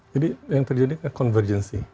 jadi yang terjadi adalah konvergensi